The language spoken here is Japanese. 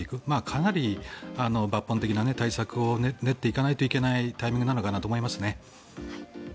かなり抜本的な対策を練っていかないといけないタイミングなのかなと思いますね。